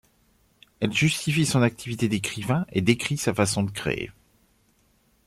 Elle justifie son activité d'écrivain et décrit sa façon de créer.